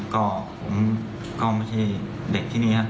ก็ผมก็ไม่ใช่เด็กที่นี่ครับ